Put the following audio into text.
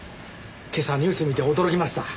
今朝ニュース見て驚きました。